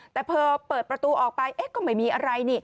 แต่พอเปิดประตูออกไปก็ไม่มีอะไรนี่